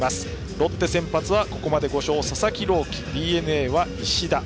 ロッテ先発はここまで５勝の佐々木朗希ＤｅＮＡは石田。